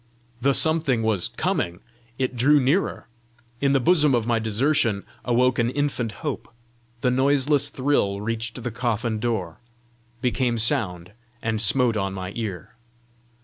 The something was coming! it drew nearer! In the bosom of my desertion awoke an infant hope. The noiseless thrill reached the coffin door became sound, and smote on my ear.